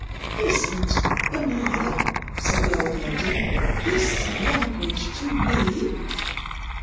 "Poisoned, Amelia!" said the old lady; "this language to me?"